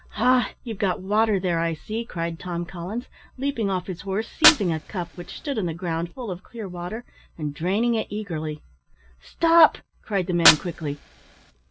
"Ha! you've got water there, I see," cried Tom Collins, leaping off his horse, seizing a cup which stood on the ground full of clear water, and draining it eagerly. "Stop!" cried the man, quickly.